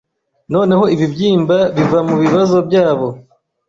Noneho ibibyimba biva mubibazo byabo